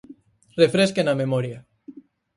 Refresquen a memoria.